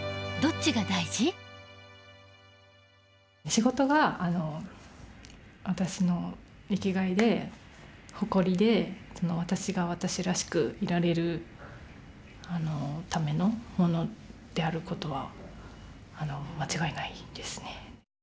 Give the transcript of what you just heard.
仕事が私の生きがいで誇りで私が私らしくいられるためのものである事は間違いないですね。